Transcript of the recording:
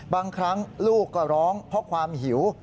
บางครั้งลูกก็ร้องเพราะความหิว